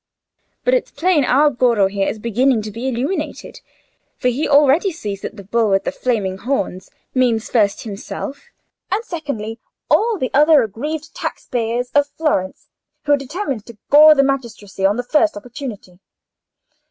But it's plain our Goro here is beginning to be illuminated for he already sees that the bull with the flaming horns means first himself, and secondly all the other aggrieved taxpayers of Florence, who are determined to gore the magistracy on the first opportunity."